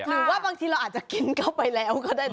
หรือว่าบางทีเราอาจจะกินเข้าไปแล้วก็ได้นะ